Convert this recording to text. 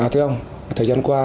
thưa ông thời gian qua